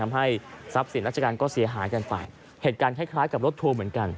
ทำให้ทรัพย์สินราชการก็เสียหายกันไปเหตุการณ์คล้ายกับรถทัวร์เหมือนกัน